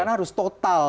karena harus total